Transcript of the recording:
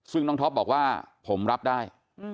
ซึ่งน้องท็อปบอกว่าผมรับได้